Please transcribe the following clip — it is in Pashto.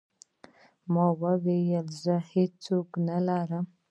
ما وويل زه هېڅ څوک نه لرم.